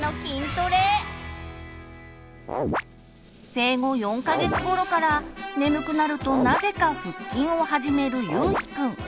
生後４か月ごろから眠くなるとなぜか腹筋を始めるゆうひくん。